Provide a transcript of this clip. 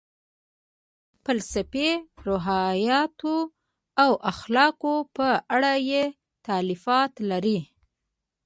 د منطق، فلسفې، روحیاتو او اخلاقو په اړه یې تالیفات لري.